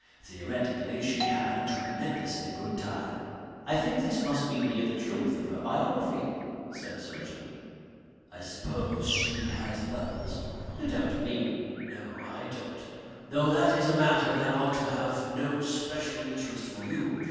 Theoretically she had a tremendously good time." "I think this must be near the truth of her biography," said Sir Richmond. "I suppose she has lovers." "You don't mean ?" "No, I don't. Though that is a matter that ought to have no special interest for you.